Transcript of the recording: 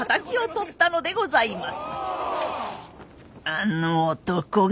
あの男が。